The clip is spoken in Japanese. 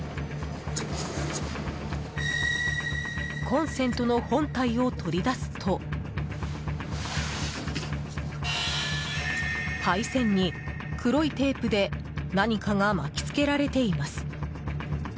コンセントの本体を取り出すと配線に黒いテープで何かが巻き付けられています。